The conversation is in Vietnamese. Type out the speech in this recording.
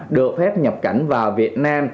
được phép nhập cảnh vào việt nam